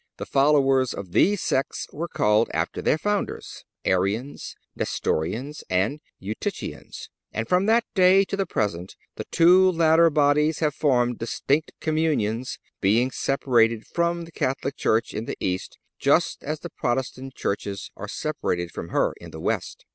The followers of these sects were called, after their founders, Arians, Nestorians and Eutychians, and from that day to the present the two latter bodies have formed distinct communions, being separated from the Catholic Church in the East, just as the Protestant churches are separated from her in the West.